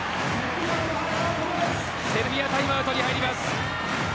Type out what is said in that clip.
セルビアタイムアウトに入ります。